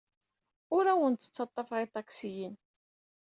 Ur awen-d-ttaḍḍafeɣ iṭaksiyen.